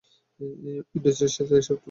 Windows রেজিস্ট্রিতে এসব tool থাকে।